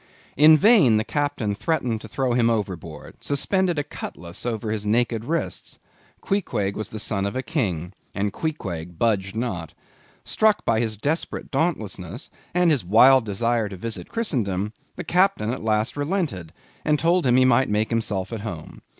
In vain the captain threatened to throw him overboard; suspended a cutlass over his naked wrists; Queequeg was the son of a King, and Queequeg budged not. Struck by his desperate dauntlessness, and his wild desire to visit Christendom, the captain at last relented, and told him he might make himself at home.